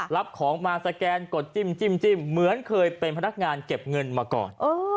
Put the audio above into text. รับของมาสแกนกดจิ้มเหมือนเคยเป็นพนักงานเก็บเงินมาก่อน